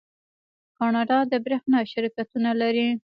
کاناډا د بریښنا شرکتونه لري.